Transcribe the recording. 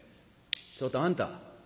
「ちょっとあんた。